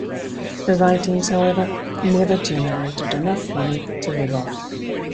Her writings, however, never generated enough money to live off.